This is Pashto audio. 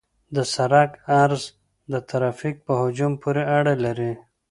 د سرک عرض د ترافیک په حجم پورې اړه لري